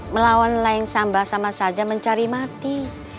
melawan layang samba sama saja mencari mati